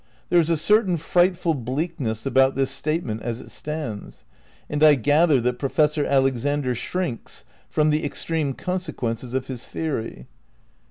There is a certain frightful bleakness about this statement as it stands, and I gather that Professor Alexander shrinks from the extreme consequences of his theory.